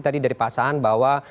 tadi dari pak saan bahwa